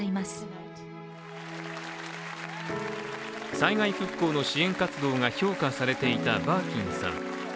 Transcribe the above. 災害復興の支援活動が評価されていたバーキンさん。